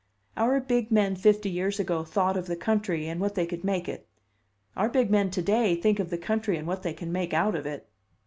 Our big men fifty years ago thought of the country, and what they could make it; our big men to day think of the country and what they can make out of it.